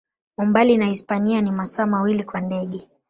Umbali na Hispania ni masaa mawili kwa ndege.